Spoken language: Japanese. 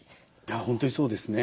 本当にそうですね。